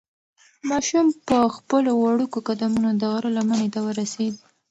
ماشوم په خپلو وړوکو قدمونو د غره لمنې ته ورسېد.